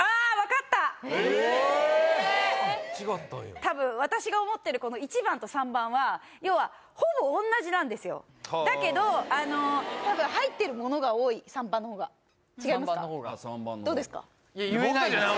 違ったんや多分私が思ってるこの１番と３番は要はほぼ同じなんですよだけど多分入ってるものが多い３番の方が僕達は何も言えないですよ